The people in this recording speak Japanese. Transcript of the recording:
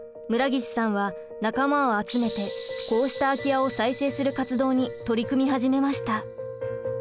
村岸さんは仲間を集めてこうした空き家を再生する活動に取り組み始めました。